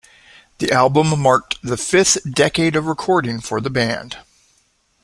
The album marked the fifth decade of recording for the band.